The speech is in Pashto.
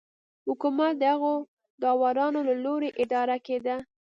حکومت د هغو داورانو له لوري اداره کېده